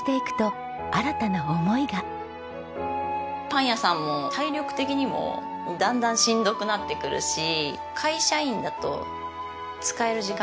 パン屋さんも体力的にもだんだんしんどくなってくるし。